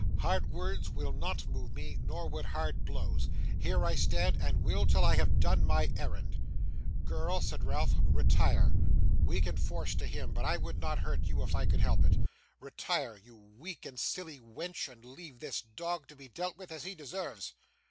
Hard words will not move me, nor would hard blows. Here I stand, and will, till I have done my errand.' 'Girl!' said Ralph, 'retire! We can use force to him, but I would not hurt you if I could help it. Retire, you weak and silly wench, and leave this dog to be dealt with as he deserves.